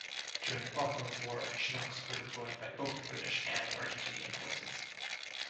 During the Falklands War, Chinooks were deployed by both the British and Argentinian forces.